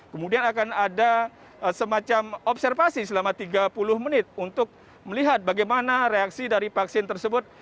kemudian akan ada semacam observasi selama tiga puluh menit untuk melihat bagaimana reaksi dari vaksin tersebut